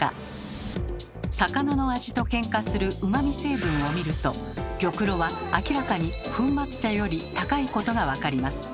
魚の味とケンカする旨味成分を見ると玉露は明らかに粉末茶より高いことが分かります。